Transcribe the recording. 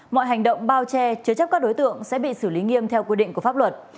mọi hành động bao che chứa chấp các đối tượng sẽ bị xử lý nghiêm theo quy định của pháp luật